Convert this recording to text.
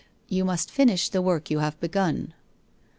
You must finish the work you have begun.'